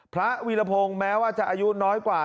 พระวิลพรงษ์แม้ว่าอายุน้อยกว่า